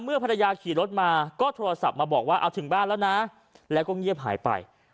ภรรยาขี่รถมาก็โทรศัพท์มาบอกว่าเอาถึงบ้านแล้วนะแล้วก็เงียบหายไป